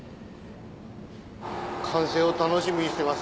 完成を楽しみにしてます